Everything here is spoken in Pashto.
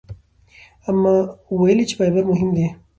اما ویلي چې فایبر مهم دی.